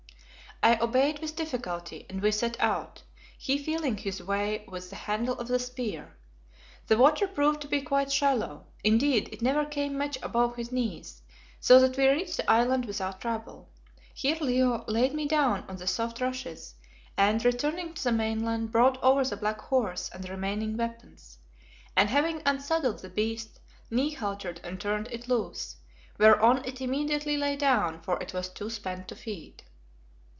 I obeyed with difficulty, and we set out, he feeling his way with the handle of the spear. The water proved to be quite shallow; indeed, it never came much above his knees, so that we reached the island without trouble. Here Leo laid me down on the soft rushes, and, returning to the mainland, brought over the black horse and the remaining weapons, and having unsaddled the beast, knee haltered and turned it loose, whereon it immediately lay down, for it was too spent to feed.